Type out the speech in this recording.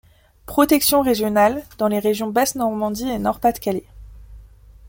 Protection régionale dans les régions Basse Normandie et Nord-Pas-de-Calais.